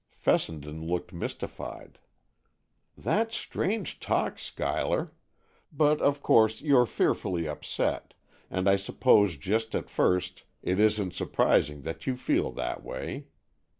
Fessenden looked mystified. "That's strange talk, Schuyler,—but of course you're fearfully upset, and I suppose just at first it isn't surprising that you feel that way.